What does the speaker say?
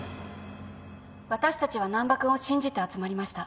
私たちは難破君を信じて集まりました。